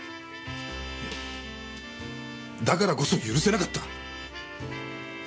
いやだからこそ許せなかった。